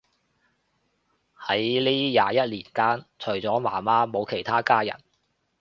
喺呢廿一年間，除咗媽媽冇其他家人